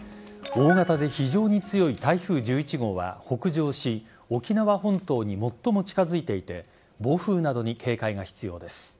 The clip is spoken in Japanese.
大型で非常に強い台風１１号は北上し沖縄本島に最も近づいていて暴風などに警戒が必要です。